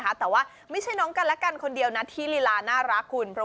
แต่ว่าไม่ใช่น้องกันและกันคนเดียวนะที่ลีลาน่ารักคุณ